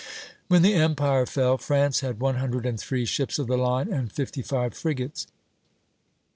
When the empire fell, France had one hundred and three ships of the line and fifty five frigates.